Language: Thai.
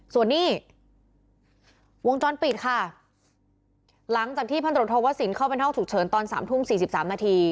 ส่วนนี้วงจรปิดค่ะหลังจากที่พนตรฐกว่าสินเข้าเป็นห้องฉุกเฉินตอน๓ทุ่ม๔๓นาที